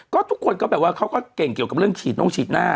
ก็ทุกคนก็แบบว่าเขาก็เก่งเกี่ยวกับเรื่องฉีดนงฉีดหน้า